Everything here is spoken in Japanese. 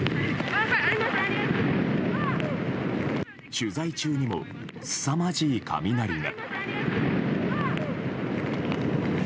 取材中にも、すさまじい雷が。